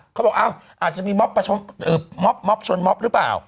เขาบอกอาจจะมีม็อบชนม็อบหรือเปล่า